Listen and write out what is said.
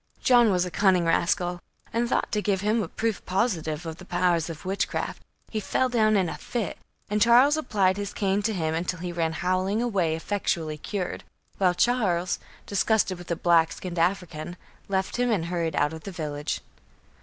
John was a cunning rascal and thought to give him a proof positive of the powers of witchcraft. He fell down in a fit, and Charles applied his cane to him until he ran howling away effectually cured, while Charles, disgusted with the black skinned African, left him and hurried out of the village.